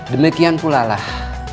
demikian pula lah